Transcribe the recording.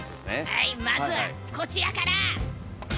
はいまずはこちらから。